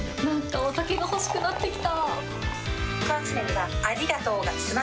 お酒が欲しくなってきた。